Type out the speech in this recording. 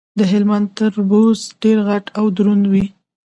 د هلمند تربوز ډیر غټ او دروند وي.